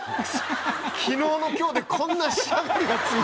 「昨日の今日でこんな仕上がる奴いんの？」